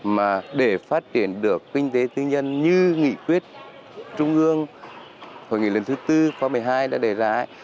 mà để phát triển được kinh tế tư nhân như nghị quyết trung ương hội nghị lần thứ tư khóa một mươi hai đã đề ra